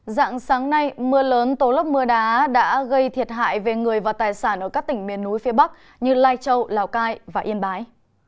dạng sáng nay mưa lớn tố lốc mưa đá đã gây thiệt hại về người và tài sản ở các tỉnh miền núi phía bắc như lai châu lào cai và yên bái